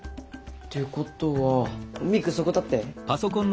ってことはミクそこ立って。